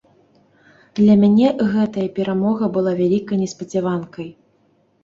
Для мяне гэтая перамога была вялікай неспадзяванкай.